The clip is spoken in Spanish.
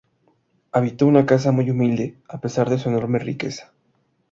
Habitó una casa muy humilde a pesar de su enorme riqueza.